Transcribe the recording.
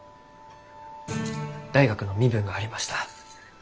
大学の身分がありました。